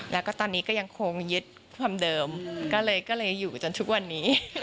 แล้วก็ตอนนี้ก็ยังคงยึดความเดิมก็เลยอยู่จนทุกวันนี้